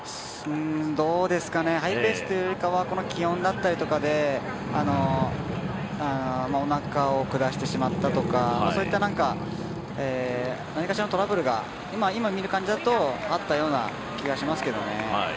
どうですかねハイペースというよりかはこの気温だったりとかでおなかを下してしまったとかそういった何かしらのトラブルが今、見る感じだとあったような気がしますけどね。